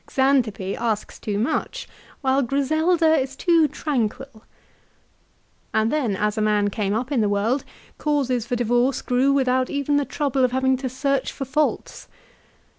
Xantippe asks too much, while Griselda is too tranquil. And then, as a man came up in the world, causes for divorce grew without even the trouble of having to search for faults.